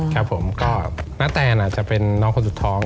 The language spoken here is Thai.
ครับผมก็ณแตนอาจจะเป็นน้องคนสุดท้อง